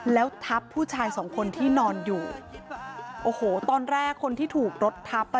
แล้วทับผู้ชายสองคนที่นอนอยู่โอ้โหตอนแรกคนที่ถูกรถทับอ่ะ